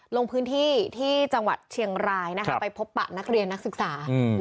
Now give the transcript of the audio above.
ลงพื้นที่ที่จังหวัดเชียงรายไปพบปะนักเรียนนักศึกษา